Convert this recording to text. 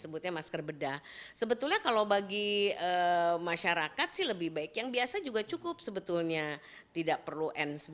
bedah sebetulnya kalau bagi masyarakat sih lebih baik yang biasa juga cukup sebetulnya tidak perlu